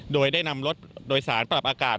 โดยได้นำรถโดยสารปรับอากาศ